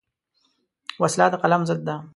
وسله د قلم ضد ده